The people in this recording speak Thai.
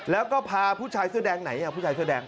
แล้วก็พาผู้ชายเสื้อแดงไหนผู้ชายเสื้อแดง